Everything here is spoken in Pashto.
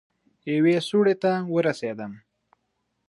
يوې سوړې ته ورسېدم.